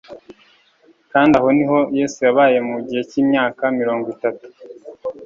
Kandi aho niho Yesu yabaye mu gibe cy'imvaka mirongo itatu.